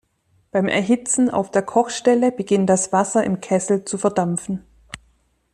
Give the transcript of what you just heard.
Beim Erhitzen auf der Kochstelle beginnt das Wasser im Kessel zu verdampfen.